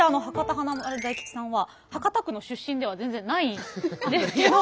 華丸・大吉さんは博多区の出身では全然ないんですけども。